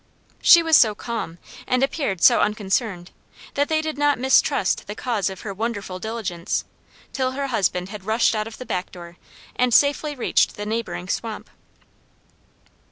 She was so calm, and appeared so unconcerned, that they did not mistrust the cause of her wonderful diligence, till her husband had rushed out of the back door, and safely reached the neighboring swamp.